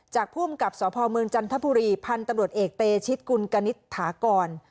จากผู้อำกับสพจันทพุรีพันธุ์ตำรวจเอกเตชิศกุลกณิษฐากร